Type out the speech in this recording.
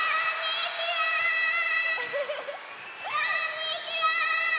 こんにちは！